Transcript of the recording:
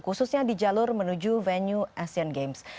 khususnya di jalur menuju venue asian games